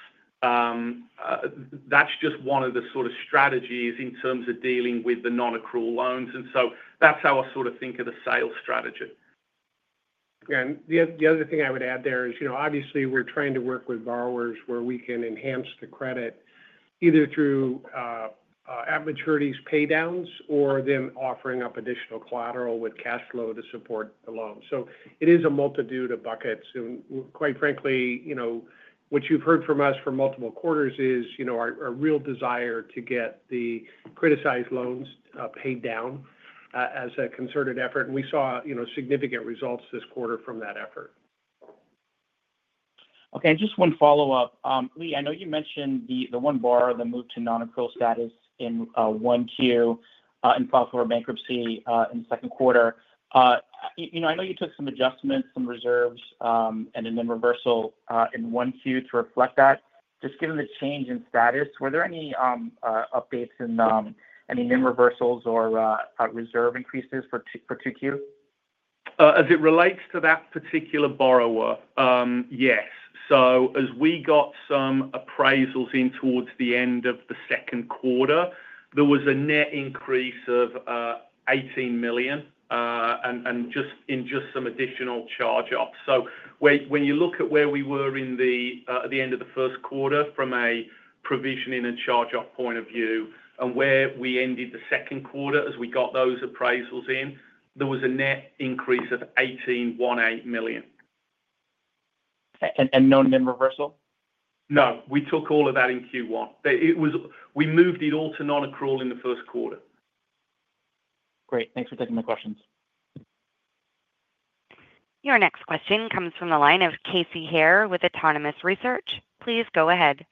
That's just one of the sort of strategies in terms of dealing with the nonaccrual loans. And so that's how I sort of think of the sales strategy. And the the other thing I would add there is, know, obviously, we're trying to work with borrowers where we can enhance the credit either through, at maturities pay downs or them offering up additional additional collateral with cash flow to support the loan. So it is a multitude of buckets. And quite frankly, what you've heard from us for multiple quarters is our real desire to get the criticized loans paid down as a concerted effort. We saw significant results this quarter from that effort. Okay. And just one follow-up. Lee, know you mentioned the one borrower that moved to nonaccrual status in 1Q and filed for bankruptcy in the second quarter. You know, I know you took some adjustments, some reserves, and a NIM reversal in 1Q to reflect that. Just given the change in status, were there any updates in any NIM reversals or reserve increases for 2Q? As it relates to that particular borrower, yes. So as we got some appraisals in towards the end of the second quarter, there was a net increase of $18,000,000 and just in just some additional charge offs. So when you look at where we were in the the end of the first quarter from a provisioning and charge off point of view and where we ended the second quarter as we got those appraisals in, there was a net increase of $18,800,000 And no NIM reversal? No. We took all of that in Q1. It was we moved it all to non accrual in the first quarter. Great. Thanks for taking my questions. Your next question comes from the line of Casey Haire with Autonomous Research. Please go ahead.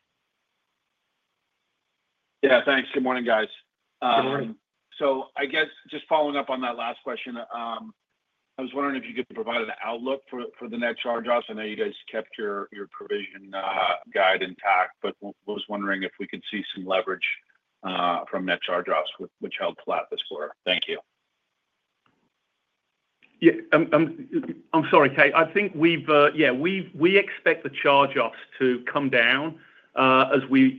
Yes, thanks. Good morning, guys. Good morning. So I guess just following up on that last question. I was wondering if you could provide an outlook for the net charge offs. I know you guys kept your provision guide intact, but I was wondering if we could see some leverage from net charge offs, which held flat this quarter. Thank you. I'm sorry, Kate. I think we've yes, we expect the charge offs to come down as we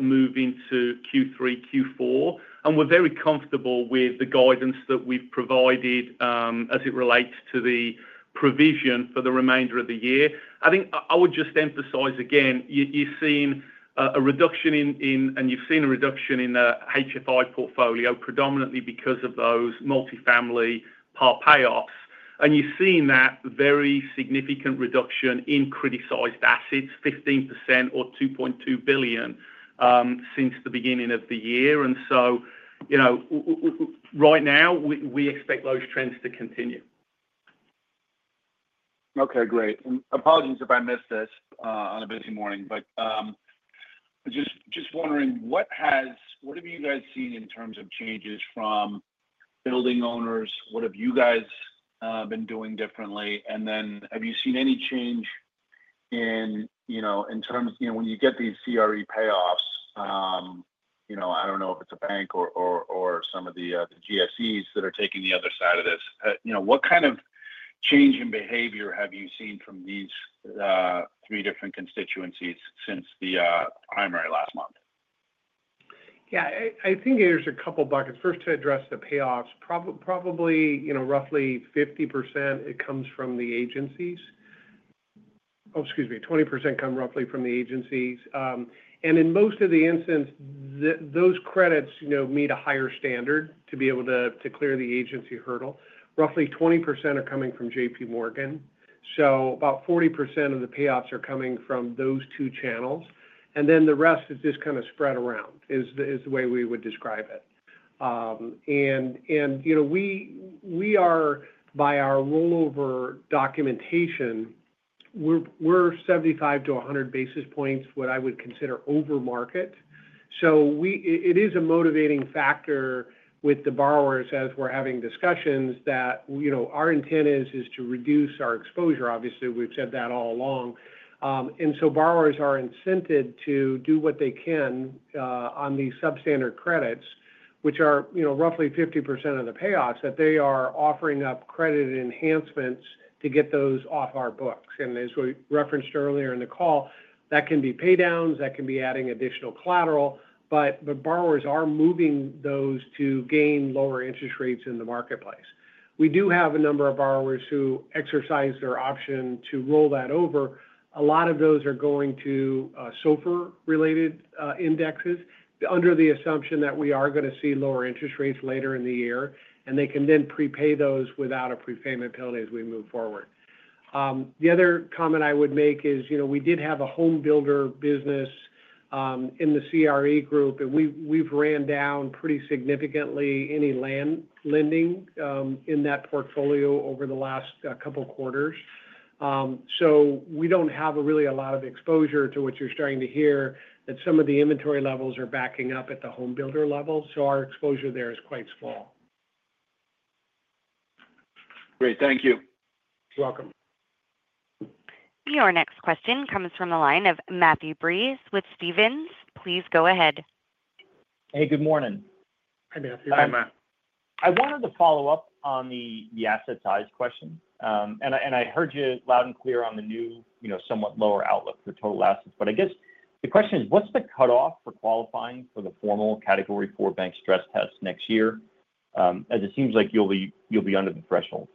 move into Q3, Q4. And we're very comfortable with the guidance that we've provided as it relates to the provision for the remainder of the year. I think I would just emphasize again, you've seen a reduction in and you've seen a reduction in the HFI portfolio predominantly because of those multifamily part payoffs. And you've seen that very significant reduction in criticized assets, 15% or 2,200,000,000.0 since the beginning of the year. And so right now, we expect those trends to continue. Okay, great. Apologies if I missed this on a busy morning, but just just wondering what has what have you guys seen in terms of changes from building owners? What have you guys been doing differently? And then have you seen any change in, you know, in terms you know, when you get these CRE payoffs, you know, I don't know if it's a bank or or or some of the GSEs that are taking the other side of this. You know, what kind of change in behavior have you seen from these three different constituencies since the primary last month? Yeah. I I think there's a couple buckets. First, to address the payoffs, probably, you know, roughly 50%, it comes from the agencies. Oh, excuse me. 20% come roughly from the agencies. And in most of the instance, those credits, you know, meet a higher standard to be able to to clear the agency hurdle. Roughly 20% are coming from JPMorgan. So about 40% of the payoffs are coming from those two channels. And then the rest is just kinda spread around is the is the way we would describe it. And and, you know, we we are by our rollover documentation, we're we're 75 to a 100 basis points, what I would consider over market. So we it is a motivating factor with the borrowers as we're having discussions that, you know, our intent is is to reduce our exposure. Obviously, we've said that all along. And so borrowers are incented to do what they can, on these substandard credits, which are, you know, roughly 50% of the payoffs that they are offering up credit enhancements to get those off our books. And as we referenced earlier in the call, that can be pay downs, that can be adding additional collateral, but the borrowers are moving those to gain lower interest rates in the marketplace. We do have a number of borrowers who exercise their option to roll that over. A lot of those are going to, sulfur related, indexes under the assumption that we are going to see lower interest rates later in the year, and they can then prepay those without a prepayment penalty as we move forward. The other comment I would make is, we did have a homebuilder business in the CRE group and we've ran down pretty significantly any land lending in that portfolio over the last couple of quarters. So we don't have really a lot of exposure to what you're starting to hear that some of the inventory levels are backing up at the homebuilder level. So our exposure there is quite small. Great. Thank you. You're welcome. Your next question comes from the line of Matthew Breese with Stephens. Please go ahead. Hey. Good morning. Hi, Matthew. Hi, Matt. I wanted to follow-up on the the asset size question. And I and I heard you loud and clear on the new, you know, somewhat lower outlook for total assets. But I guess the question is what's the cutoff for qualifying for the formal category four bank stress test next year? As it seems like you'll be you'll be under the threshold.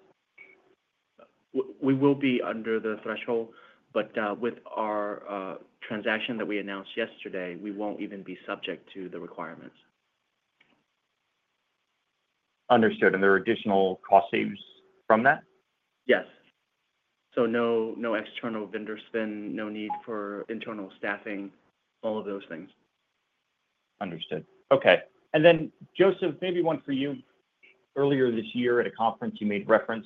We will be under the threshold. But, with our, transaction that we announced yesterday, we won't even be subject to the requirements. Understood. And there are additional cost saves from that? Yes. So no no external vendor spend, no need for internal staffing, all of those things. Understood. Okay. And then, Joseph, maybe one for you. Earlier this year at a conference, you made reference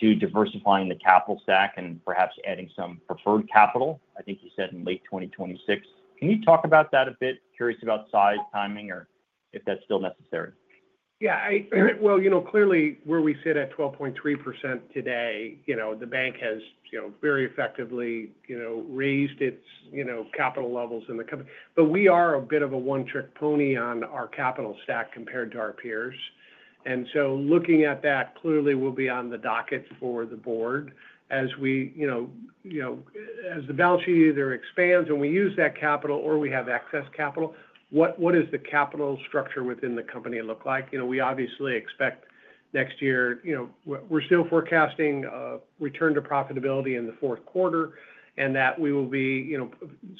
to diversifying the capital stack and perhaps adding some preferred capital. I think you said in late twenty twenty six. Can you talk about that a bit? Curious about size, timing, if that's still necessary. Yeah. I well, you know, clearly, where we sit at 12.3% today, the bank has very effectively raised its capital levels in the company. But we are a bit of a one trick pony on our capital stack compared to our peers. And so looking at that, clearly, we'll be on the docket for the board as we as the balance sheet either expands and we use that capital or we have excess capital, what what is the capital structure within the company look like? We obviously expect next year you know, we're still forecasting return to profitability in the fourth quarter and that we will be, you know,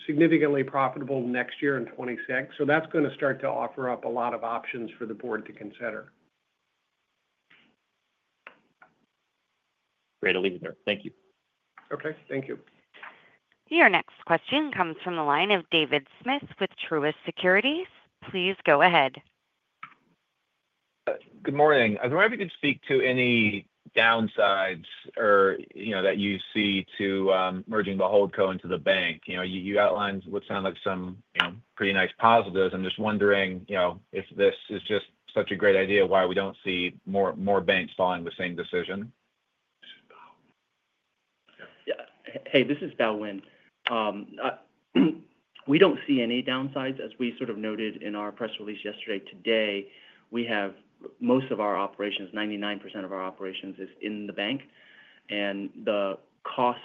significantly profitable next year in '26. So that's going to start to offer up a lot of options for the board to consider. Great. I'll leave it there. Thank you. Okay. Thank you. Your next question comes from the line of David Smith with Truist Securities. Please go ahead. Good morning. I was wondering if you could speak to any downsides or that you see to merging the HoldCo into the bank. You outlined what sounded like some pretty nice positives. I'm just wondering if this is just such a great idea why we don't see more more banks following the same decision. Yeah. Hey. This is Bowen. We don't see any downsides as we sort of noted in our press release yesterday. Today, we have most of our operations, 99% of our operations is in the bank. And the cost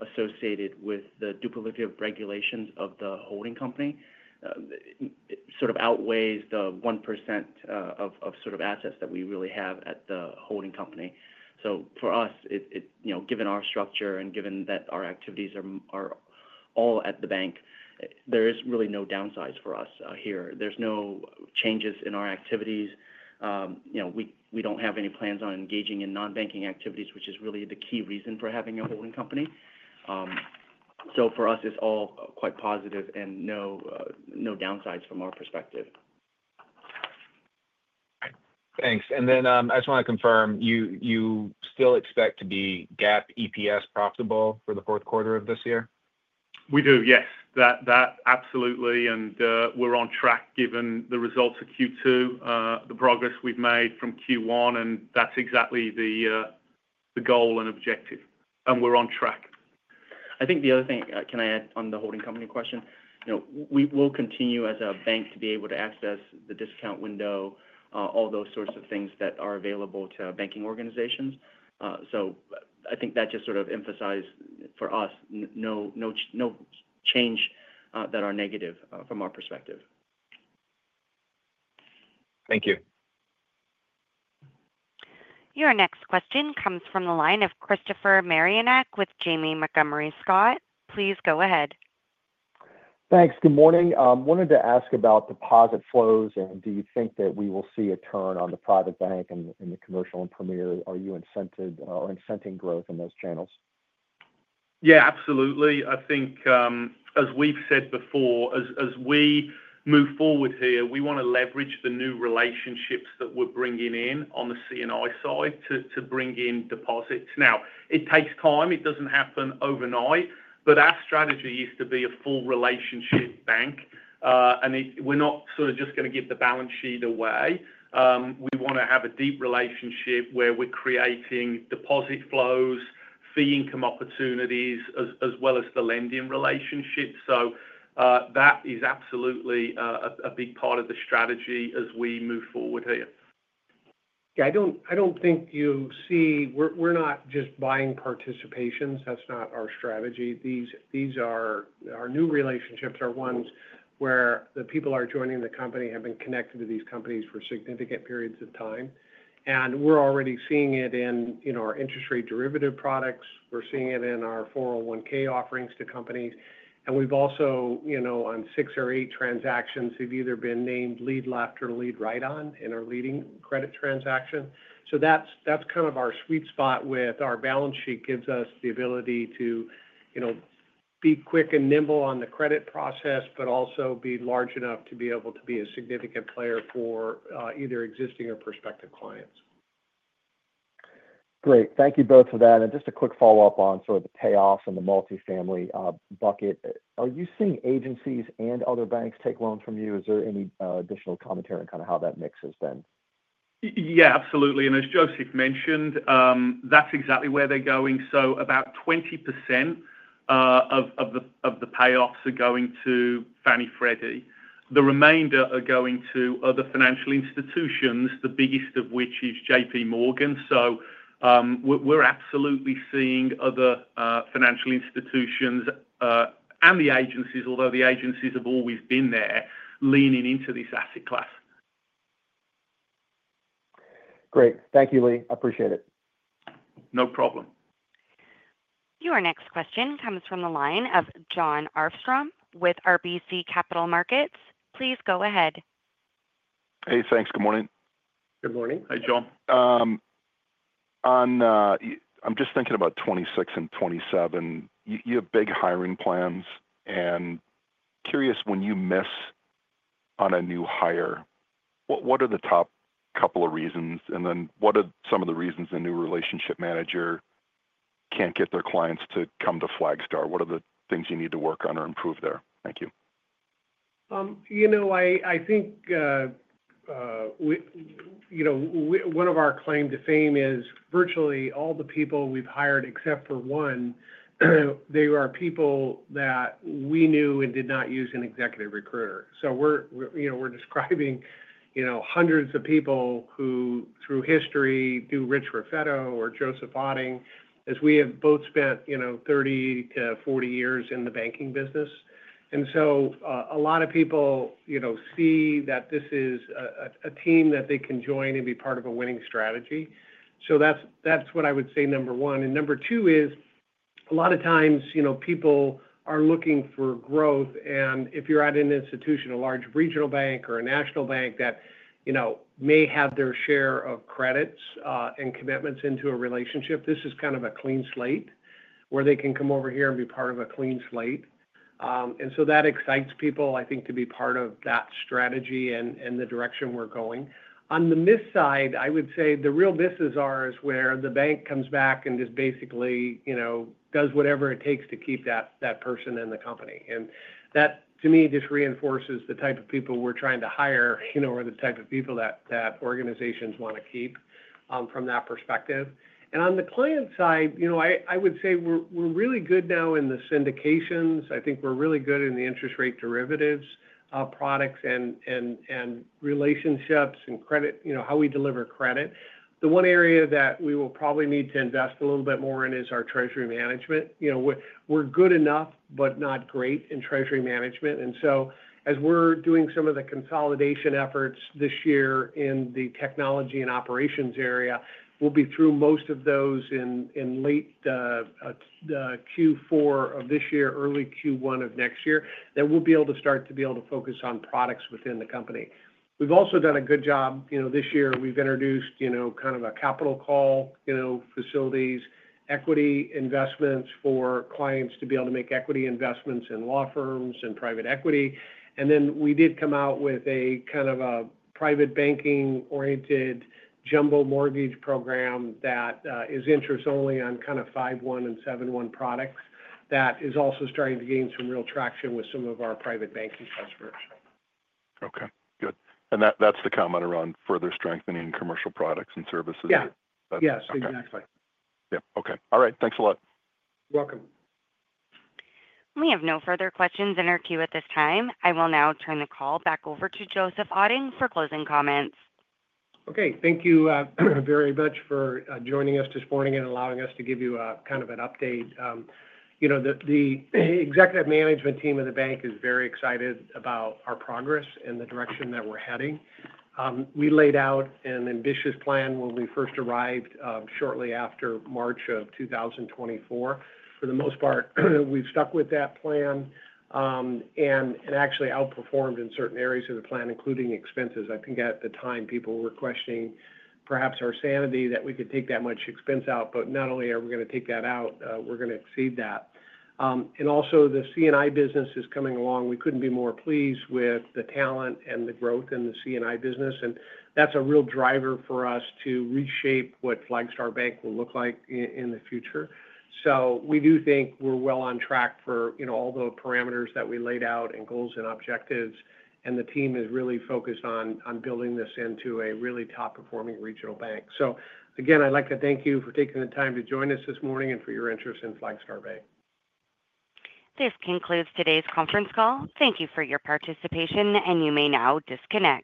associated with the duplicative regulations of the holding company sort of outweighs the 1% of of sort of assets that we really have at the holding company. So for us, it it you know, given our structure and given that our activities are are all at the bank, there is really no downsides for us here. There's no changes in our activities. You know, we we don't have any plans on engaging in non banking activities, which is really the key reason for having a holding company. So for us, it's all quite positive and no downsides from our perspective. Thanks. And then I just want to confirm, you still expect to be GAAP EPS profitable for the fourth quarter of this year? We do. Yes. That absolutely. And we're on track given the results of Q2, the progress we've made from Q1 and that's exactly the goal and objective and we're on track. I think the other thing can I add on the holding company question? We will continue as a bank to be able to access the discount window, all those sorts of things that are available to banking organizations. So I think that just sort of emphasize for us no change that are negative from our perspective. Thank you. Your next question comes from the line of Christopher Marinac with Jamie Montgomery Scott. Please go ahead. Thanks. Good morning. I wanted to ask about deposit flows. And do you think that we will see a turn on the private bank and the commercial and premier? Are you incented or incenting growth in those channels? Yes, absolutely. I think as we've said before, as we move forward here, we want to leverage the new relationships that we're bringing in on the C and I side to bring in deposits. Now it takes time. It doesn't happen overnight. But our strategy is to be a full relationship bank. And we're not sort of just going to give the balance sheet away. We want to have a deep relationship where we're creating deposit flows, fee income opportunities as well as the lending relationship. So that is absolutely a big part of the strategy as we move forward here. Yeah. I don't I don't think you see we're we're not just buying participations. That's not our strategy. These these are our new relationships are ones where the people are joining the company, have been connected to these companies for significant periods of time. And we're already seeing it in our interest rate derivative products. We're seeing it in our four zero one offerings to companies. And we've also on six or eight transactions have either been named lead left or lead right on in our leading credit transaction. So that's that's kind of our sweet spot with our balance sheet gives us the ability to, you know, be quick and nimble on the credit process, but also be large enough to be able to be a significant player for, either existing or prospective clients. Great. Thank you both for that. And just a quick follow-up on sort of the payoffs in the multifamily bucket. Are you seeing agencies and other banks take loans from you? Is there any additional commentary on kind of how that mix has been? Yes, absolutely. And as Joseph mentioned, that's exactly where they're going. So about 20% of the payoffs are going to Fannie Freddie. The remainder are going to other financial institutions, the biggest of which is JPMorgan. So, we're absolutely seeing other financial institutions and the agencies, although the agencies have always been there leaning into this asset class. Great. Thank you, Lee. Appreciate it. No problem. Your next question comes from the line of Jon Arfstrom with RBC Capital Markets. Please go ahead. Hey, thanks. Good morning. Good morning. Hi, John. On, I'm just thinking about '26 and '27. You you have big hiring plans. And curious when you miss on a new hire, what what are the top couple of reasons? And then what are some of the reasons a new relationship manager can't get their clients to come to Flagstar? What are the things you need to work on or improve there? Thank you. You know, I I think, we, you know, we one of our claim to fame is virtually all the people we've hired except for one, they are people that we knew and did not use an executive recruiter. So we're, you know, we're describing, you know, hundreds of people who, through history, do Rich Raffetto or Joseph Otting as we have both spent, you know, thirty to forty years in the banking business. And so, a lot of people, you know, see that this is a team that they can join and be part of a winning strategy. So that's that's what I would say, number one. And number two is a lot of times, you know, people are looking for growth. And if you're at an institution, a large regional bank or a national bank that, you know, may have their share of credits, and commitments into a relationship, this is kind of a clean slate where they can come over here and be part of a clean slate. And so that excites people, I think, to be part of that strategy and and the direction we're going. On the miss side, I would say the real misses are is where the bank comes back and just basically, you know, does whatever it takes to keep that that person in the company. And that, to me, just reinforces the type of people we're trying to hire, you know, or the type of people that that organizations wanna keep, from that perspective. And on the client side, you know, I I would say we're we're really good now in the syndications. I think we're really good in the interest rate derivatives, products and and and relationships and credit, know, how we deliver credit. The one area that we will probably need to invest a little bit more in is our treasury management. You know, we're we're good enough, but not great in treasury management. And so as we're doing some of the consolidation efforts this year in the technology and operations area, We'll be through most of those in in late, the q four of this year, early q one of next year, that we'll be able to start to be able to focus on products within the company. We've also done a good job. You know, this year, we've introduced, you know, kind of a capital call, you know, facilities, equity investments for clients to be able to make equity investments in law firms and private equity. And then we did come out with a kind of a private banking oriented jumbo mortgage program that, is interest only on kind of five one and seven one products that is also starting to gain some real traction with some of our private banking customers. Okay. Good. And that's the comment around further strengthening commercial products and services? Yes. Exactly. Yes. Okay. All right. Thanks a lot. Welcome. We have no further questions in our queue at this time. I will now turn the call back over to Joseph Otting for closing comments. Okay. Thank you very much for joining us this morning and allowing us to give you kind of an update. The executive management team of the bank is very excited about our progress and the direction that we're heading. We laid out an ambitious plan when we first arrived shortly after March. For the most part, we've stuck with that plan and actually outperformed in certain areas of the plan including expenses. I think at the time people were questioning perhaps our sanity that we could take that much expense out, but not only are we going to take that out, we're going to exceed that. And also the C and I business is coming along. We couldn't be more pleased with the talent and the growth in the C and I business, and that's a real driver for us to reshape what Flagstar Bank will look like in the future. So we do think we're well on track for all the parameters that we laid out and goals and objectives, and the team is really focused on building this into a really top performing regional bank. So again, I'd like to thank you for taking the time to join us this morning and for your interest in Flag Star Bay. This concludes today's conference call. Thank you for your participation, and you may now disconnect.